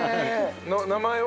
名前は？